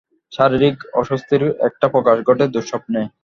শারীরিক অস্বস্তির একটা প্রকাশ ঘটে দুঃস্বপ্নে।